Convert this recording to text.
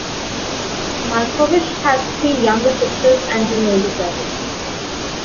Malkovich has three younger sisters and an older brother.